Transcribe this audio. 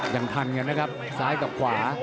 ยังทันกันนะครับซ้ายกับขวา